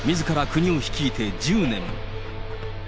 国を率いて１０年。